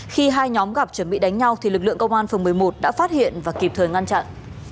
khi hai nhóm gặp chuẩn bị đánh nhau thì lực lượng công an phường một mươi một đã phát hiện và kịp thời ngăn chặn